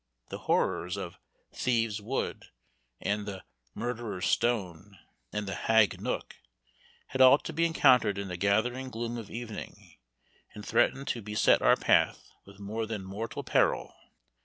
The horrors of "Thieves' Wood," and the "Murderers' Stone," and "the Hag Nook," had all to be encountered in the gathering gloom of evening, and threatened to beset our path with more than mortal peril.